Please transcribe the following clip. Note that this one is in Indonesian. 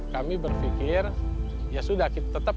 kami berpikir ya sudah kita tetap